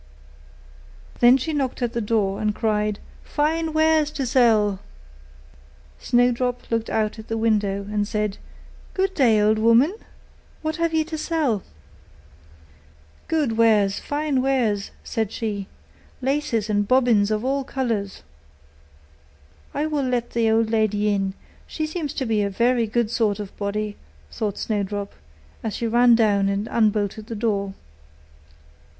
Then she knocked at the door, and cried, 'Fine wares to sell!' Snowdrop looked out at the window, and said, 'Good day, good woman! what have you to sell?' 'Good wares, fine wares,' said she; 'laces and bobbins of all colours.' 'I will let the old lady in; she seems to be a very good sort of body,' thought Snowdrop, as she ran down and unbolted the door.